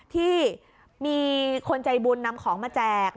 ที่มีคนใจบุญนำของมาแจก